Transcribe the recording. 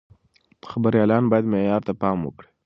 خبريالان بايد معيار ته پام وکړي.